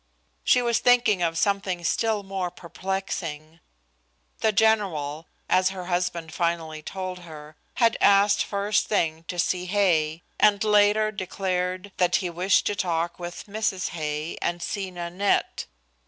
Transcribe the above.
She was thinking of something still more perplexing. The general, as her husband finally told her, had asked first thing to see Hay, and later declared that he wished to talk with Mrs. Hay and see Nanette.